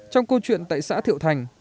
trong câu chuyện tại xã thiệu thành